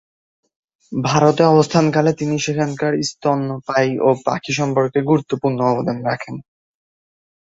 ভারতে অবস্থানকালে তিনি সেখানকার স্তন্যপায়ী ও পাখি সম্পর্কে গুরুত্বপূর্ণ অবদান রাখেন।